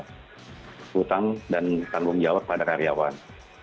hutang dan tanggung jawab pada karyawan